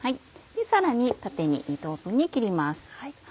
さらに縦に２等分に切ります。